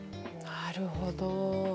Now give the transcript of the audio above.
なるほど。